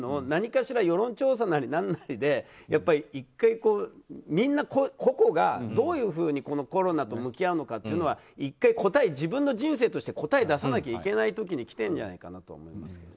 何かしたら世論調査なりなんなりで１回みんな個々がどういうふうにコロナと向き合うのかっていうのは１回、自分の人生として答えを出さないといけない時期に来ているんじゃないかなと思います。